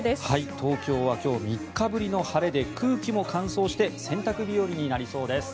東京は今日、３日ぶりの晴れで空気も乾燥して洗濯日和になりそうです。